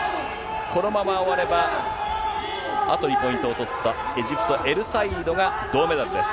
このまま終われば、あとにポイントを取ったエジプト、エルサイードが銅メダルです。